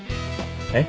えっ？